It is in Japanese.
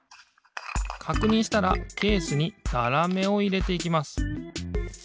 かくにんしたらケースにざらめをいれていきます。